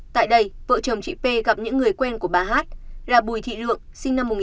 tại đây vợ chồng chị p gặp những người quen của bà h là bùi thị lượng sinh năm một nghìn chín trăm bảy mươi sáu